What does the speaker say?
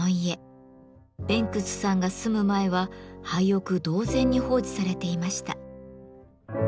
ベンクスさんが住む前は廃屋同然に放置されていました。